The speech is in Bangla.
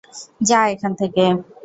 যা এখান থেকে!